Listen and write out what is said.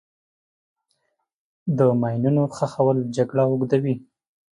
د ماینونو ښخول جګړه اوږدوي.